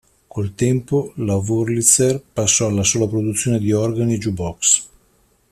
Col tempo la Wurlitzer passò alla sola produzione di organi e jukebox.